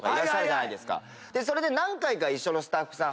でそれで何回か一緒のスタッフさん。